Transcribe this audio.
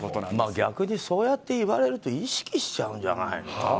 逆にそうやって言われると意識しちゃうんじゃないの？